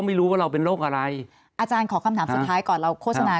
ไม่รู้ว่าเราเป็นโรคอะไรอาจารย์ขอคำถามสุดท้ายก่อนเราโฆษณา